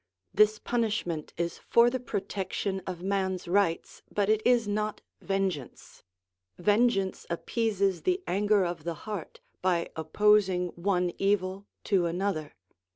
This punishment is for the protection of man's rights, but it is not vengeance ; vengeance appeases the anger of the heart by opposing one evil to another.